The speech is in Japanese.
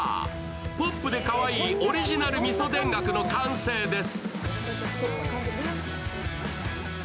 ポップでかわいいオリジナル味噌田楽の完成です。